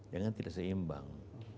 jangan tidak seimbang